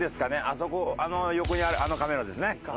あそこあの横にあるあのカメラですね。